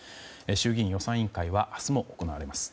衆議院予算委員会は明日も行われます。